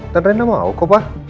dan rena mau kok pak